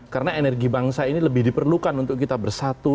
karena energi bangsa ini lebih diperlukan untuk kita bersatu